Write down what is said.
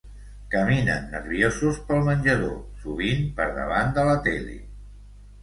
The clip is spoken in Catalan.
Caminen nerviosos pel menjador, sovint per davant de la tele.